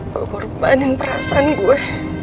gue korbanin perasaan gue